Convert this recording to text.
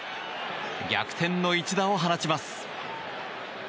逆転の一打を放ちます。